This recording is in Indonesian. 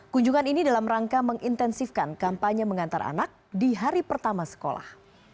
kunjungan ini dalam rangka mengintensifkan kampanye mengantar anak di hari pertama sekolah